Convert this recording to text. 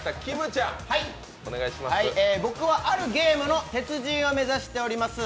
僕はあるゲームの鉄人を目指しております。